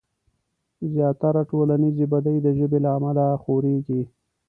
زياتره ټولنيزې بدۍ د ژبې له امله خورېږي.